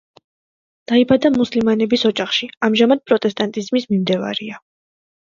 დაიბადა მუსლიმანების ოჯახში, ამჟამად პროტესტანტიზმის მიმდევარია.